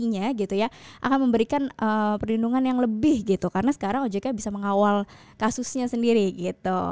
akan memberikan perlindungan yang lebih gitu karena sekarang ojk bisa mengawal kasusnya sendiri gitu